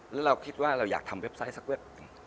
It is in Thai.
แล้วเราคิดว่าเราอยากทำเว็บไซต์สักเว็บหนึ่ง